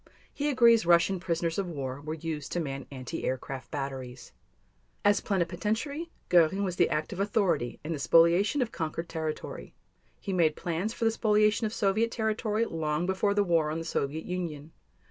He agrees Russian prisoners of war were used to man anti aircraft batteries. As Plenipotentiary, Göring was the active authority in the spoliation of conquered territory. He made plans for the spoliation of Soviet territory long before the war on the Soviet Union.